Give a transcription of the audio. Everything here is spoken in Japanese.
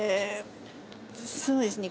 そうですね